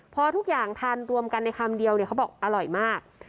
พอทุกอย่างทานรวมกันในคำเดียวเนี่ยเขาบอกอร่อยมาก